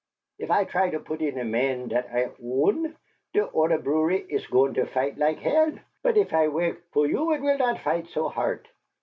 If I try to put in a man dot I own, der oder brewery iss goin' to fight like hell, but if I work fer you it will not fight so hart."